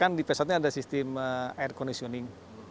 nah di pesawat ini ada sistem air conditioning